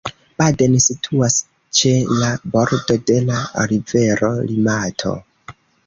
Baden situas ĉe la bordo de la rivero Limato.